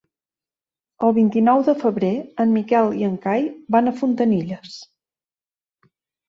El vint-i-nou de febrer en Miquel i en Cai van a Fontanilles.